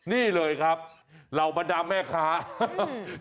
นี่เลยครับเรามาดังแม่ค้าอืม